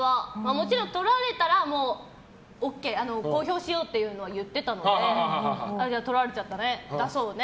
もちろん撮られたらもうＯＫ、公表しようって言っていたので撮られちゃったね、出そうね。